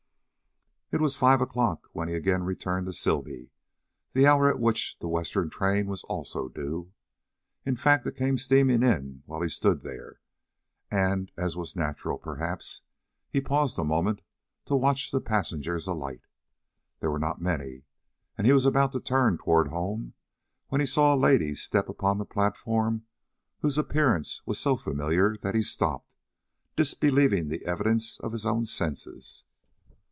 It was five o'clock when he again returned to Sibley, the hour at which the western train was also due. In fact, it came steaming in while he stood there, and, as was natural, perhaps, he paused a moment to watch the passengers alight. There were not many, and he was about to turn toward home, when he saw a lady step upon the platform whose appearance was so familiar that he stopped, disbelieving the evidence of his own senses.